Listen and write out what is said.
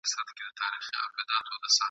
څو كسان وه په كوڅه كي يې دعوه وه !.